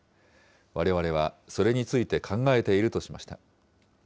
われわれはそれについて考えているとしました。